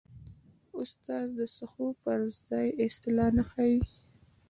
استاد د سهوو پر ځای اصلاح ښيي.